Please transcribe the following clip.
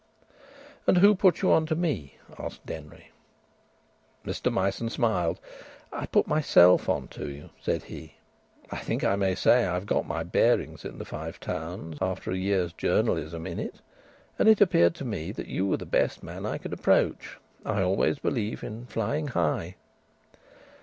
"And who put you on to me?" asked Denry. Mr Myson smiled. "I put myself on to you," said he. "I think I may say I've got my bearings in the Five Towns, after over a year's journalism in it, and it appeared to me that you were the best man I could approach. I always believe in flying high."